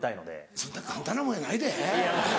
そんな簡単なもんやないで。